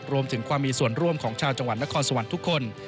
รวมถึงความมีส่วนร่วมของชาวจังหวัดนครสวรรค์ทุกคน